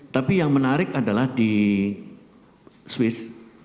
tapi yang menarik adalah di swiss